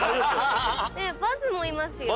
バズもいますよ。